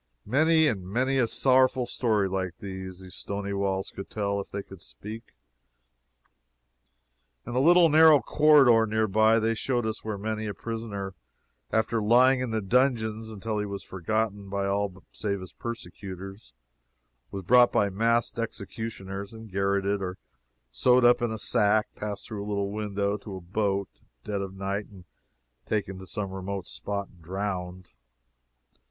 Many and many a sorrowful story like this these stony walls could tell if they could but speak. In a little narrow corridor, near by, they showed us where many a prisoner, after lying in the dungeons until he was forgotten by all save his persecutors, was brought by masked executioners and garroted, or sewed up in a sack, passed through a little window to a boat, at dead of night, and taken to some remote spot and drowned.